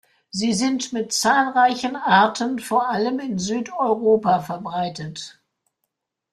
Sie sind mit zahlreichen Arten vor allem in Südeuropa verbreitet.